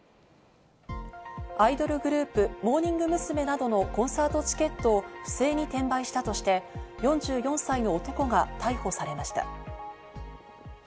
アイドルグループ・モーニング娘。などのコンサートチケットを不正に転売したとして、４４歳の男が逮捕されました。